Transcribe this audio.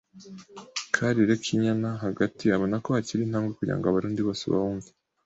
"Karirekinyana (hagati) abona ko hakiri intambwe kugira Abarundi bose bawumve.